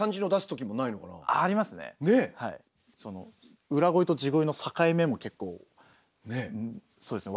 その裏声と地声の境目も結構そうですね